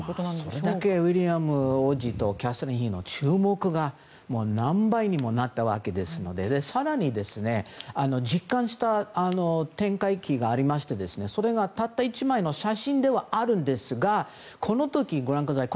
それだけウィリアム王子とキャサリン妃の注目が何倍にもなったわけですので更に、実感した展開期がありましてそれがたった１枚の写真ですがこの時ご覧ください。